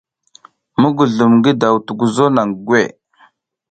Mugulum ngi daw tukuzo naŋ gwe.